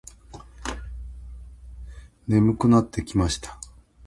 眠くなってきました。